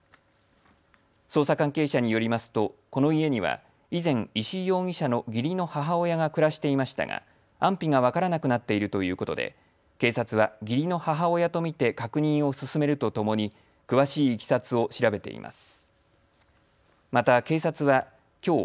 捜査関係者によりますとこの家には以前、石井容疑者の義理の母親が暮らしていましたが安否が分からなくなっているということで警察は義理の母親と見て確認を進めるとともに詳しいいきさつを調べています。